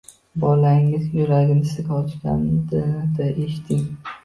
Bolangiz yuragini sizga ochganida eshiting.